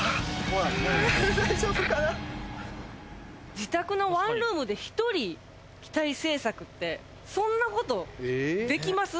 自宅のワンルームで１人機体製作ってそんな事できます？